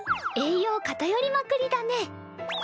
栄養かたよりまくりだね。